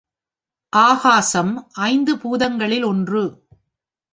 ஆகாசம் ஐந்து பூதங்களில் ஒன்று.